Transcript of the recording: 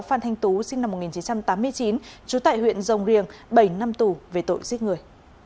phan thanh tú sinh năm một nghìn chín trăm tám mươi chín trú tại huyện rồng riềng bảy năm tù về tội giết người